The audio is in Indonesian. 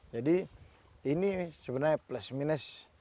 jadi ini sebenarnya plus minus